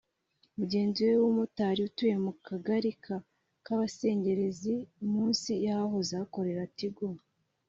Mugenzi we w’umumotari utuye mu Kagali ka Kabasengerezi munsi y’ahahoze hakorera Tigo